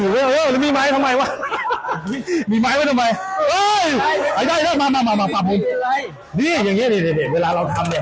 เห้อมีไม้ทำไมวะมีไม้ไว้ทำไมอ้อนนี้แสงนี้เวลาเราทำเนี่ย